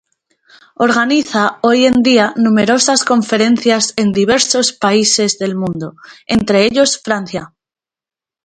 Organiza hoy en día numerosas conferencias en diversos países del mundo, entre ellos Francia.